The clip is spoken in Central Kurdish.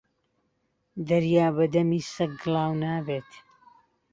دەریا بە دەمی سەگ گڵاو نابێت